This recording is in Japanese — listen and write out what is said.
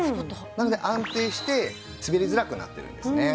なので安定して滑りづらくなってるんですね。